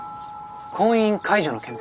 婚姻解除の件で。